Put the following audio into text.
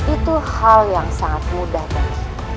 itu hal yang sangat mudah dan